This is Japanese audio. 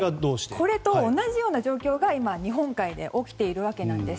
これと同じような状況が今、日本海で起きているんです。